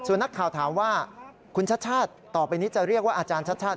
ส่วนนักข่าวถามว่าคุณชัชชาสต่อไปนี้จะเรียกว่าอาจารย์ชัชชาส